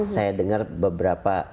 saya dengar beberapa